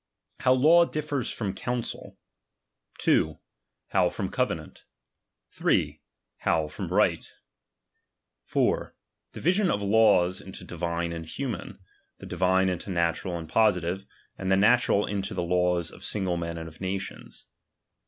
How law differs from counsel. 2. How from covenant. 5. How from righL 4. Division of laws into divine and hu man: the divine into natural and positive; and the natural into the lawe of single men and of nations.